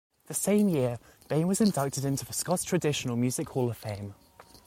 The same year, Bain was inducted into the Scots Traditional Music Hall of Fame.